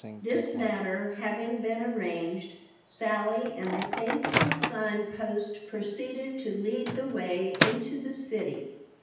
This matter having been arranged, Sally and the faithful Sign Post proceeded to lead the way into the city.